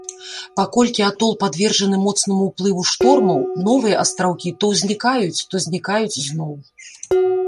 Паколькі атол падвержаны моцнаму ўплыву штормаў, новыя астраўкі то ўзнікаюць, то знікаюць зноў.